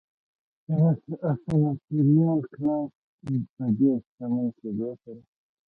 د سناتوریال کلاس په ډېر شتمن کېدو سره